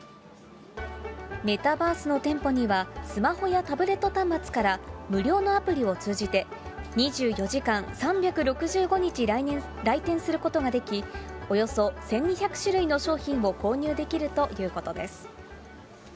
メタバースの店舗には、スマホやタブレット端末から無料のアプリを通じて、２４時間３６５日来店することができ、およそ１２００種類の商品を購入できるということです。